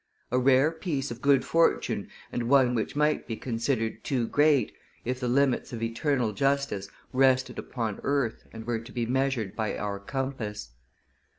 A rare piece of good fortune and one which might be considered too great, if the limits of eternal justice rested upon earth and were to be measured by our compass.